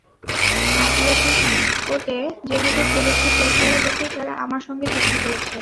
অ্যাটলেটিকোতে যেভাবে খেলেছি সেই খেলা দেখেই তারা আমার সঙ্গে চুক্তি করেছে।